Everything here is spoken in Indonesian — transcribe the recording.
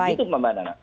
itu mbak nana